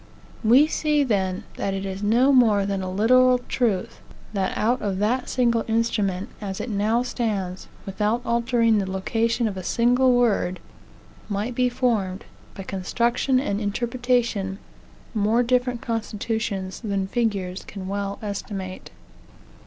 We see, then, that it is no more than a literal truth, that out of that single instrument, as it now stands, without altering the location of a single word, might be formed, by construction and interpretation, more different constitutions than figures can well estimate.